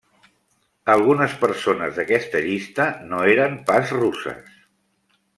Algunes persones d'aquesta llista no eren pas russes.